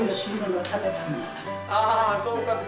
ああそうか。